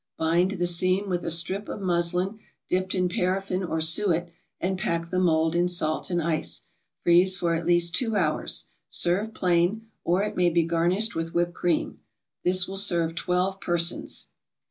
Bind the seam with a strip of muslin dipped in paraffin or suet, and pack the mold in salt and ice; freeze for at least two hours. Serve plain, or it may be garnished with whipped cream. This will serve twelve persons.